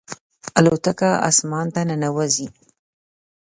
الوتکه اسمان ته ننوځي.